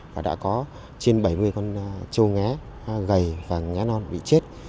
và đã có trên bảy mươi con châu ngé gầy và ngá non bị chết